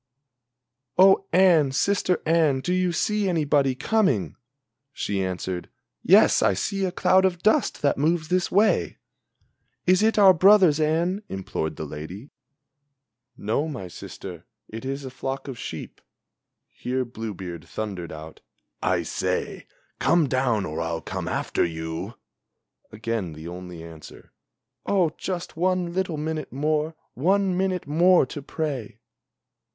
"Oh Anne, sister Anne, do you see anybody coming?" She answered: "Yes I see a cloud of dust that moves this way." "Is it our brothers, Anne?" implored the lady. "No, my sister, It is a flock of sheep." Here Blue beard thundered out: "I say, Come down or I'll come after you!" Again the only answer: "Oh, just one little minute more, one minute more to pray!"